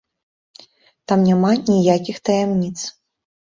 Там няма ніякіх таямніц!